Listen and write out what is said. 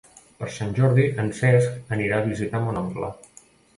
Per Sant Jordi en Cesc anirà a visitar mon oncle.